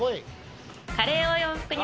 カレーを洋服に